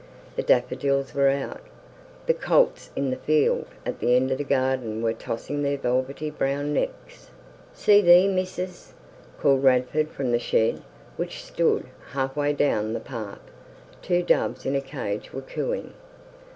The daffodils were out. The colts in the field at the end of the garden were tossing their velvety brown necks. "Sithee here, missis," called Radford, from the shed which stood halfway down the path. Two doves in a cage were cooing.